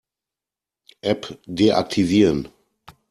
App deaktivieren.